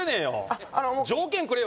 あっあの条件くれよ